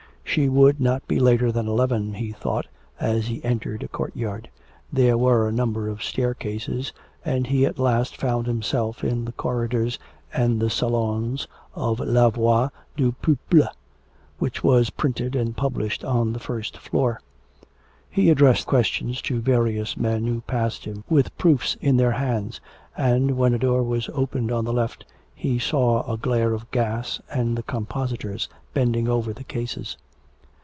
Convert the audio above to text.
She would not be later than eleven, he thought as he entered a courtyard. There were a number of staircases, and he at last found himself in the corridors and the salons of La voix du Peuple, which was printed and published on the first floor. He addressed questions to various men who passed him with proofs in their hands, and, when a door was opened on the left, he saw a glare of gas and the compositors bending over the cases.